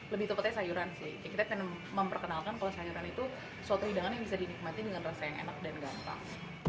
lebih tepatnya sayuran sih kita pengen memperkenalkan kalau sayuran itu suatu hidangan yang bisa dinikmati dengan rasa yang enak dan gampang